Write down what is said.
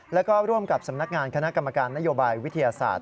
แล้วก็ร่วมกับสำนักงานคณะกรรมการนโยบายวิทยาศาสตร์